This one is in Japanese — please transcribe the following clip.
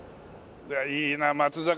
いいな松坂さん。